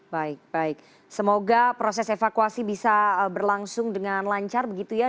baik baik semoga proses evakuasi bisa berlangsung dengan lancar begitu ya